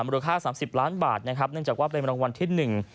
ราคาสามสิบล้านบาทนะครับเนื่องจากว่าเป็นรางวัลที่หนึ่ง